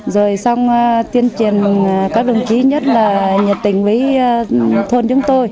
rồi xong tiên truyền các đồng chí nhất là nhiệt tình với thôn chúng tôi